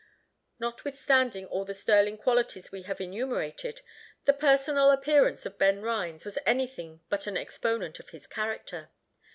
Notwithstanding all the sterling qualities we have enumerated, the personal appearance of Ben Rhines was anything but an exponent of his character.